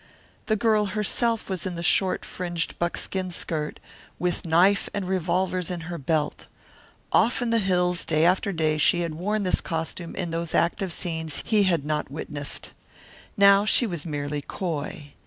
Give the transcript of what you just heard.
The girl herself was in the short, fringed buckskin skirt, with knife and revolvers in her belt. Off in the hills day after day she had worn this costume in those active scenes he had not witnessed. Now she was merely coy.